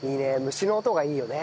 虫の音がいいよね。